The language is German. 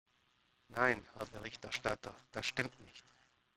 Nein, Herr Berichterstatter, das stimmt nicht.